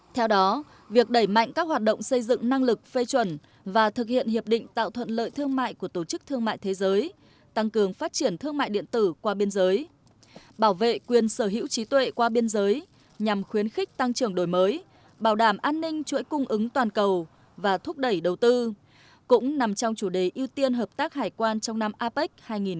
theo đó việc đẩy mạnh các hoạt động xây dựng năng lực phê chuẩn và thực hiện hiệp định tạo thuận lợi thương mại của tổ chức thương mại thế giới tăng cường phát triển thương mại điện tử qua biên giới bảo vệ quyền sở hữu trí tuệ qua biên giới nhằm khuyến khích tăng trưởng đổi mới bảo đảm an ninh chuỗi cung ứng toàn cầu và thúc đẩy đầu tư cũng nằm trong chủ đề ưu tiên hợp tác hải quan trong năm apec hai nghìn một mươi bảy